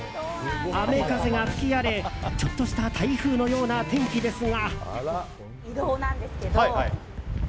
雨風が吹き荒れ、ちょっとした台風のような天気ですが。